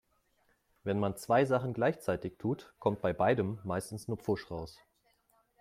Wenn man zwei Sachen gleichzeitig tut, kommt bei beidem meistens nur Pfusch raus.